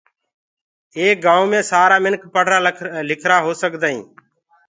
ايڪ گآئونٚ مي سآرآ منک پڙهرآ لکِرآ هو سگدآئينٚ